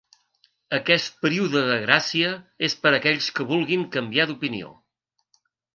Aquest període de gràcia és per aquells que vulguin canviar d’opinió.